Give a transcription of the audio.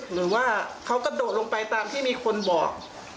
หรือว่าเขากระโดดลงไปตามที่มีคนบอก